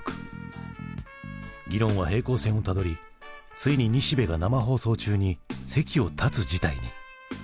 議論は平行線をたどりついに西部が生放送中に席を立つ事態に。